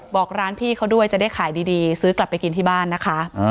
บอกร้านพี่เขาด้วยจะได้ขายดีซื้อกลับไปกินที่บ้านนะคะ